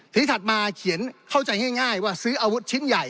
ทีนี้ถัดมาเขียนเข้าใจง่ายว่าซื้ออาวุธชิ้นใหญ่